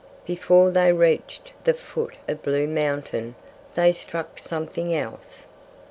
Before they reached the foot of Blue Mountain they struck something else.